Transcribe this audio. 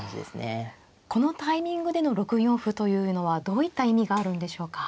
このタイミングでの６四歩というのはどういった意味があるんでしょうか。